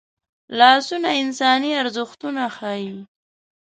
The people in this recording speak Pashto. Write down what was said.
لاسونه انساني ارزښتونه ښيي